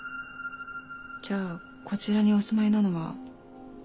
じゃあこちらにお住まいなのは。